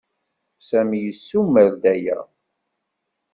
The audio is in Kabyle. Sami yessumer-d aya.